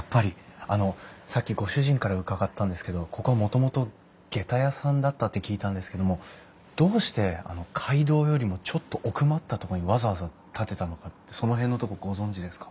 あのさっきご主人から伺ったんですけどここはもともとげた屋さんだったって聞いたんですけどもどうして街道よりもちょっと奥まったとこにわざわざ建てたのかってその辺のとこご存じですか？